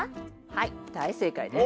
はい大正解です。